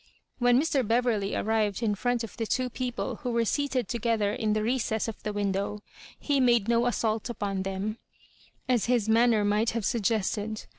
When Mr. Beverley arrived in front of the two people who were seated together in the recess of the window, he made no assault upon them, as his manner might have suggested.